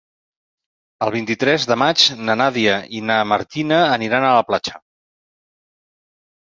El vint-i-tres de maig na Nàdia i na Martina aniran a la platja.